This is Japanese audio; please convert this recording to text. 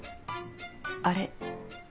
あれ？